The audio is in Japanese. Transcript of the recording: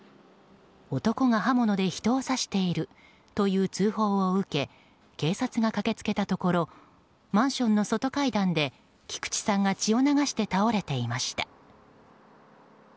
男が刃物で人を刺しているという通報を受け警察が駆け付けたところマンションの外階段で菊地さんが血を流して倒れていました。